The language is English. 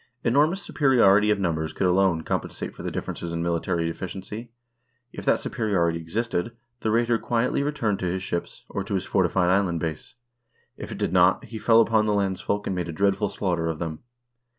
Enormous superiority of numbers could alone compensate for the differences in military efficiency. If that superiority existed, the raider quietly retired to his ships, or to his fortified island base. If it did not, he fell upon the landsfolk and made a dreadful slaughter of them.